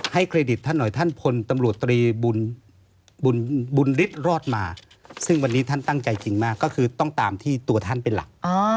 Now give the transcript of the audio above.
เครดิตท่านหน่อยท่านพลตำรวจตรีบุญฤทธิ์รอดมาซึ่งวันนี้ท่านตั้งใจจริงมากก็คือต้องตามที่ตัวท่านเป็นหลัก